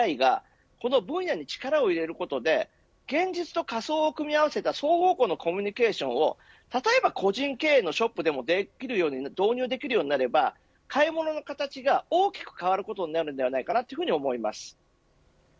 技術も資本もあるＫＤＤＩがこの分野に力を入れることで現実と仮想を組み合わせた双方向のコミュニケーションを例えば個人経営のショップでも導入できるようになれば買い物の形が大きく変わることになるんじゃないかなと思います。